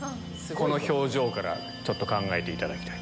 この表情から考えていただきたい。